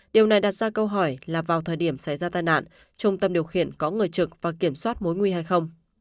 điều này đặt ra câu hỏi là vào thời điểm xảy ra tai nạn trung tâm điều khiển có người trực và kiểm soát mối nguy hay không